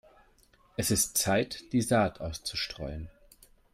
Es ist Zeit, die Saat auszustreuen.